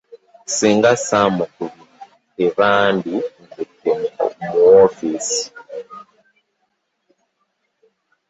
Singa samukubye tebanditute mu woofiisi.